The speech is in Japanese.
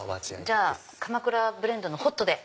じゃあ鎌倉ブレンドのホットで。